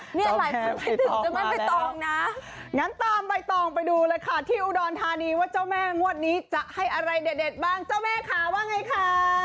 เจ้าแม่ใบตองมาแล้วงั้นตามใบตองไปดูเลยค่ะที่อุดรทานีว่าเจ้าแม่งวดนี้จะให้อะไรเด็ดเด็ดบ้างเจ้าแม่ค่ะว่าไงค่ะ